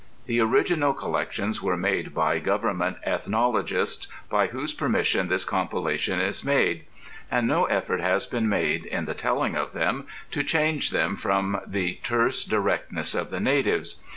The original collections were made by government ethnologists, by whose permission this compilation is made. And no effort has been made, in the telling of them, to change them from the terse directness of the natives.